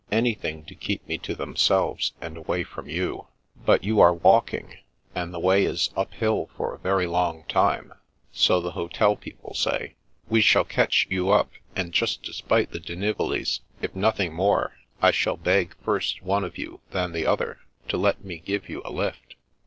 " Anything to keep me to themselves and away from you I But you are walking, and the way is uphill for a very long time, so the hotel people say. We shall catch you up, and just to spite the Di Nivolis, if nothing more, I shall beg first one of you, then the other, to let me give you a lift.